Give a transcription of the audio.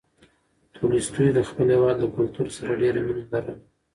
تولستوی د خپل هېواد له کلتور سره ډېره مینه لرله.